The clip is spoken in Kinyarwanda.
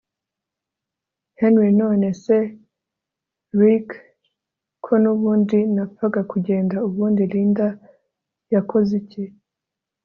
Henry none se Rick ko nubundi napfaga kugenda ubundi Linda yakoziki